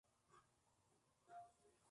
Junto Matsushita